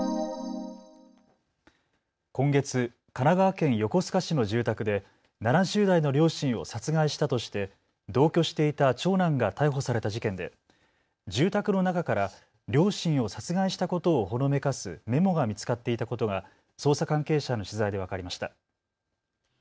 今月、神奈川県横須賀市の住宅で７０代の両親を殺害したとして同居していた長男が逮捕された事件で住宅の中から両親を殺害したことをほのめかすメモが見つかっていたことが捜査関係者への取材で分かりました。